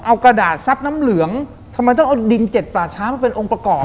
เอากระดาษซับน้ำเหลืองทำไมต้องเอาดินเจ็ดป่าช้ามาเป็นองค์ประกอบ